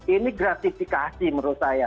ini gratifikasi menurut saya